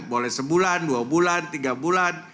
boleh sebulan dua bulan tiga bulan